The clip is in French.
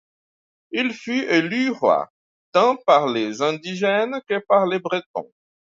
Il fut élu roi, tant par les indigènes que par les Bretons.